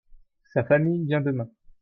Sa famille vient demain.